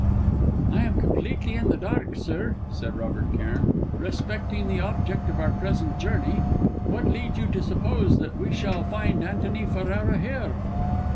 "I am completely in the dark, sir," said Robert Cairn, "respecting the object of our present journey. What leads you to suppose that we shall find Antony Ferrara here?"